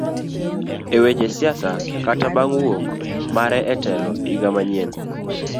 Eweche siasa kata bang wuok mare etelo iga manyien.